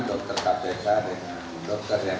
dengan dokter yang